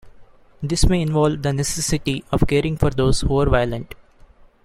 This may involve the necessity of caring for those who are violent.